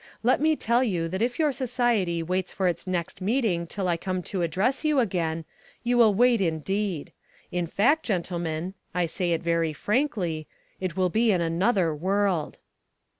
Let me tell you that if your society waits for its next meeting till I come to address you again, you will wait indeed. In fact, gentlemen I say it very frankly it will be in another world."